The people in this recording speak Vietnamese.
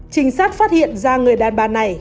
trinh sát phát hiện ra người đàn bà này